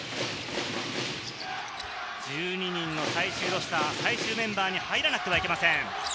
１２人の最終ロスター、最終メンバーに入らなくてはいけません。